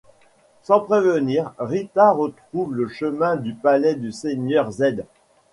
Sans prévenir, Rita retrouve le chemin du Palais du Seigneur Zedd.